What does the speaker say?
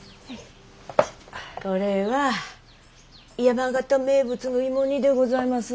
これは山形名物の芋煮でございます。